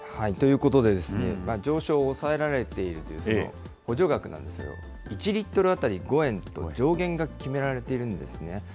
ということでですね、上昇を抑えられているというその補助額なんですけど、１リットル当たり５円と、上限が決められているんですね。